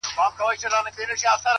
زه به هم درسره ځمه -